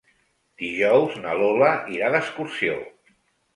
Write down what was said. Dijous na Lola irà d'excursió.